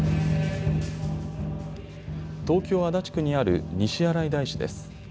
東京足立区にある西新井大師です。